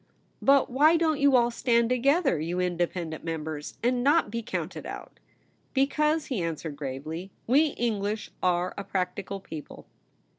* But why don't you all stand together, you independent members, and not be counted out?' * Because,' he answered gravely, ' we Eng lish are a practical people.'